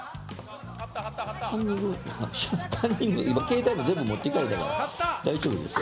カンニング、今、携帯も全部持っていかれたから、大丈夫ですよ。